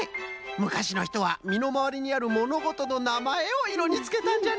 むかしのひとはみのまわりにあるものごとのなまえをいろにつけたんじゃね。